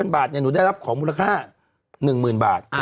๕๐๐๐บาทเนี่ยหนูได้รับของมูลค่า๑หมื่นบาท